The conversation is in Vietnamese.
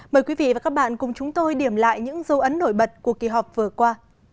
mời quý vị và các bạn cùng chúng tôi điểm lại những dấu ấn nổi bật của kỳ họp vừa qua